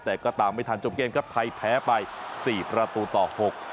แต่ก็ตามไม่ทันจบเกมครับไทยแพ้ไปสี่ประตูต่อหก